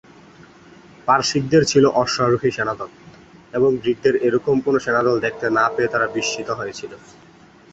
পারসিকদের ছিল অশ্বারোহী সেনাদল, এবং গ্রিকদের এরকম কোন সেনাদল দেখতে না পেয়ে তারা বিস্মিত হয়েছিল।